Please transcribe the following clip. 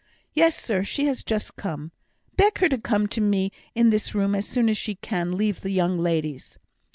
"Yes, sir; she is just come." "Beg her to come to me in this room as soon as she can leave the young ladies."